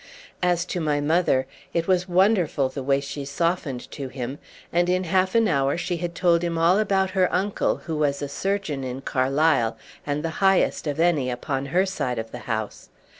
As to my mother, it was wonderful the way she softened to him, and in half an hour she had told him all about her uncle, who was a surgeon in Carlisle, and the highest of any upon her side of the house.